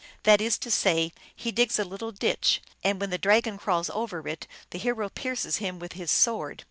That is to say, he digs a little ditch, and when the dragon crawls over it the hero pierces him with his sword.